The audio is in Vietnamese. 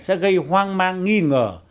sẽ gây hoang mang nghi ngờ